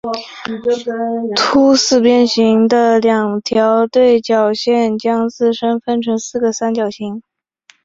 凸四边形的两条对角线将自身分成四个三角形。